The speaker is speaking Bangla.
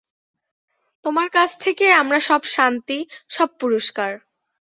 তোমার কাছ থেকেই আমার সব শান্তি, সব পুরস্কার।